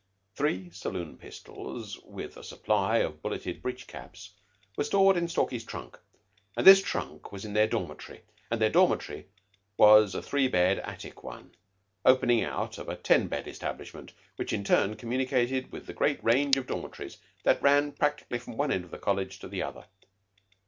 Three saloon pistols, with a supply of bulleted breech caps, were stored in Stalky's trunk, and this trunk was in their dormitory, and their dormitory was a three bed attic one, opening out of a ten bed establishment, which, in turn, communicated with the great range of dormitories that ran practically from one end of the College to the other.